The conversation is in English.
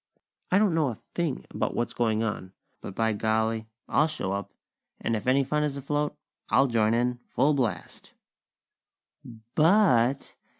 I don't know a thing about what's going on; but, by golly! I'll show up; and if any fun is afloat, I'll join in, full blast." But!!